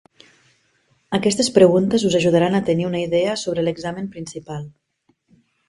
Aquestes preguntes us ajudaran a tenir una idea sobre l'examen principal.